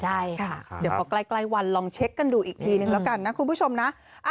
ใช่ค่ะเดี๋ยวพอใกล้วันลองเช็คกันดูอีกทีนึงแล้วกันนะคุณผู้ชมนะ